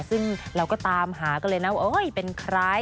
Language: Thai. ซึ่งเราก็ตามหากันเลยนะว่าเป็นใคร